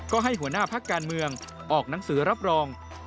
ก็ให้หัวหน้าพักการเมืองออกหนังสือรับรอง